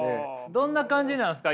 どんな感じなんですか？